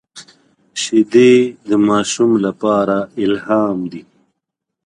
شیدې د ماشوم لپاره الهام دي